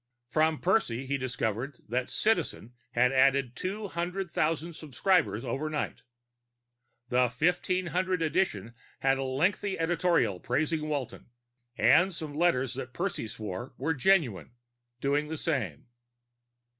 From Percy he discovered that Citizen had added two hundred thousand subscribers overnight. The 1500 edition had a lengthy editorial praising Walton, and some letters that Percy swore were genuine, doing the same.